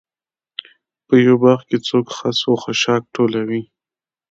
په یوه باغ کې څوک خس و خاشاک ټولوي.